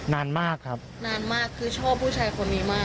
นานมากครับนานมากคือชอบผู้ชายคนนี้มาก